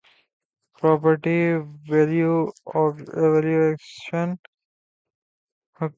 property valuation حکومتی committee کی estate agents پر تنقید